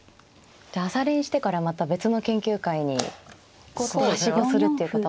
じゃあ朝練してからまた別の研究会にはしごするっていうことも。